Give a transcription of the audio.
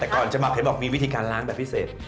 แต่ก่อนจะหับเห็นบอกมีวิธีการล้างแบบพิเศษ